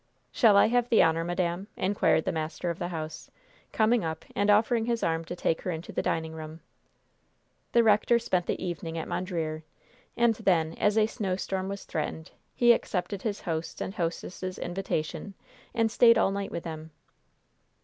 "Shall I have the honor, madam?" inquired the master of the house, coming up and offering his arm to take her into the dining room. The rector spent the evening at Mondreer, and then, as a snowstorm was threatened, he accepted his host's and hostess' invitation and stayed all night with them.